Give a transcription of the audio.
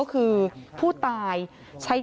ศพที่สอง